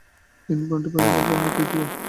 তিনি ব্রন্টি ভাইবোনেদের মধ্যে তৃতীয়।